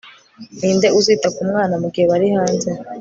ninde uzita ku mwana mugihe bari hanze